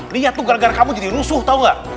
nih ya tuh gara gara kamu jadi rusuh tau gak